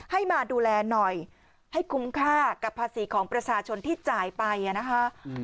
ให้มาดูแลหน่อยให้คุ้มค่ากับภาษีของประชาชนที่จ่ายไปนะคะ